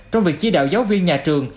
trong việc chỉ đạo giáo viên nhà trường